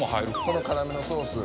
これ辛みのソース。